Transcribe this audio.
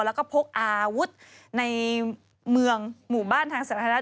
แล้วก็พกอาวุธในเมืองหมู่บ้านทางสาธารณะ